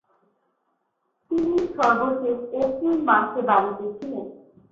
তিনি সর্বশেষ এপ্রিল মাসে বাড়িতে ছিলেন।